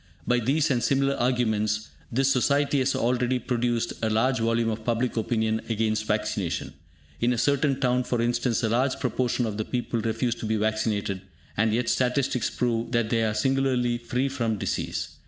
By these and similar arguments, this society has already produced a large volume of public opinion against vaccination. In a certain town, for instance, a large proportion of the people refuse to be vaccinated, and yet statistics prove that they are singularly free from disease.